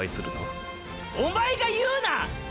おまえが言うな！